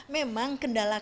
memang kendala kami